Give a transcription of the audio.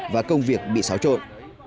và công việc bị xáo trội